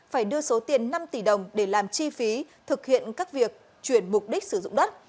phải đưa số tiền năm tỷ đồng để làm chi phí thực hiện các việc chuyển mục đích sử dụng đất